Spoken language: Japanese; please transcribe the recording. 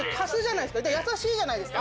優しいじゃないですか。